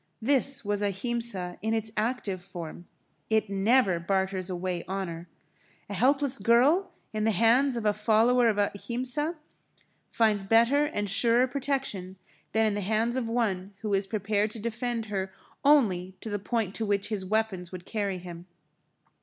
This was Ahimsa in its active form. It never barters away honour. A helpless girl in the hands of a follower of Ahimsa finds better and surer protection than in the hands of one who is prepared to defend her only to the point to which his weapons would carry him.